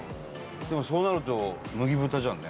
でもそうなると麦豚じゃんね。